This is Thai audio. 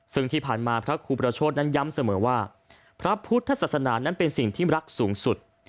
ซึ่งที่ผ่านมาพระครูประโชธนั้นย้ำเสมอว่าพระพุทธศาสนานั้นเป็นสิ่งที่รักสูงสุด